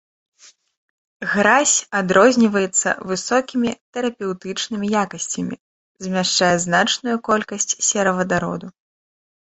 Гразь адрозніваецца высокімі тэрапеўтычнымі якасцямі, змяшчае значную колькасць серавадароду.